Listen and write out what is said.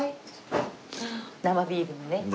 生ビールのね。